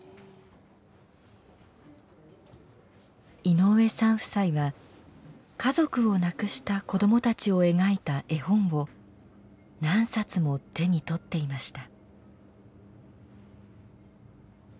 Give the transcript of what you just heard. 井上さん夫妻は家族をなくした子どもたちを描いた絵本を何冊も手に取っていました。